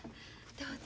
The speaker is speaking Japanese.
どうぞ。